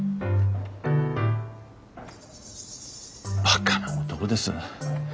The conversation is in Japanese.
バカな男です。